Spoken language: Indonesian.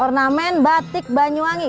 ornamen batik banyuwangi